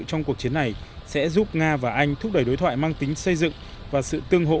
trong cuộc chiến này sẽ giúp nga và anh thúc đẩy đối thoại mang tính xây dựng và sự tương hỗ